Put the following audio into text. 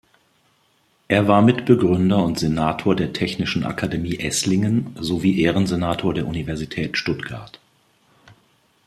Er war Mitbegründer und Senator der Technischen Akademie Esslingen sowie Ehrensenator der Universität Stuttgart.